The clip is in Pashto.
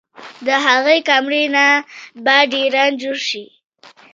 د هغې کمرې نه به ډېران جوړ شي